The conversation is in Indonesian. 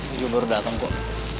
dia juga baru dateng kok